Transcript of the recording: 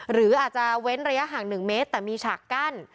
หรืออาจจะเว้นระยะห่าง๑เมตรแต่มีฉากกั้น